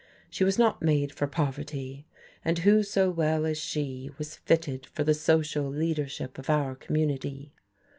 She was not made for poverty and who so well as she was fitted for the social leadership of our community?